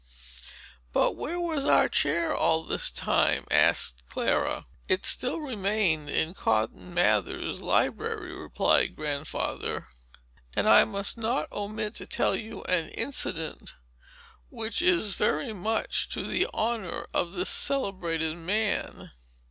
"But where was our chair, all this time?" asked Clara. "It still remained in Cotton Mather's library," replied Grandfather; "and I must not omit to tell you an incident, which is very much to the honor of this celebrated man.